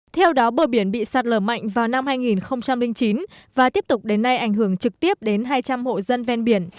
theo đó bờ biển bị sạt lở mạnh vào năm hai nghìn chín và tiếp tục đến nay ảnh hưởng trực tiếp đến hai trăm linh hộ dân ven biển